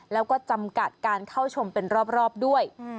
แล้วก็จำกัดการเข้าชมเป็นรอบด้วย